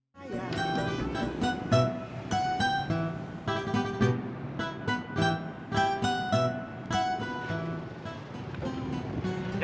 ya udah pulang aja